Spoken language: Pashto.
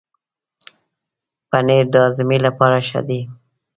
پنېر د هاضمې لپاره ښه دی.